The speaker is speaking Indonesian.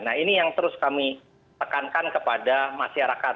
nah ini yang terus kami tekankan kepada masyarakat